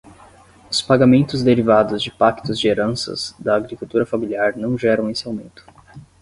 Os pagamentos derivados de pactos de heranças da agricultura familiar não geram esse aumento.